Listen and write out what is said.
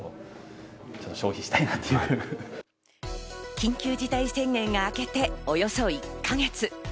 緊急事態宣言があけておよそ１か月。